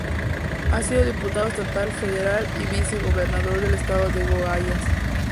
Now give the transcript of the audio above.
Ha sido diputado estatal, federal y vice-gobernador del estado de Goiás.